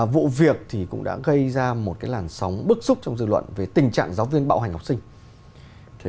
vụ việc thì cũng đã gây ra một làn sóng bức xúc trong dư luận về tình trạng giáo viên bạo hành học sinh